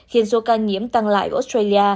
khiến số ca nhiễm tăng lại australia